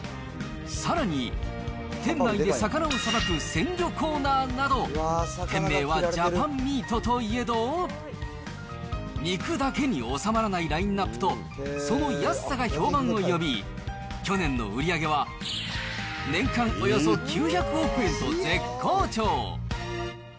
さらに、店内で魚をさばく鮮魚コーナーなど、店名はジャパンミートといえど、肉だけに収まらないラインナップとその安さが評判を呼び、去年の売り上げは、年間およそ９００億円と絶好調。